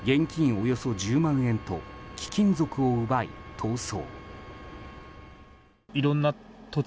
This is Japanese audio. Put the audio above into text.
およそ１０万円と貴金属を奪い、逃走。